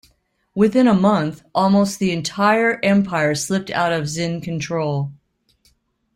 Within a month, almost the entire empire slipped out of Xin control.